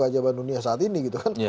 keajaban dunia saat ini gitu kan